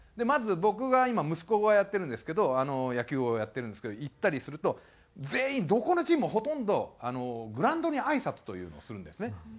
まず僕が今息子がやってるんですけど野球をやってるんですけど行ったりすると全員どこのチームもほとんどグラウンドに挨拶というのをするんですね。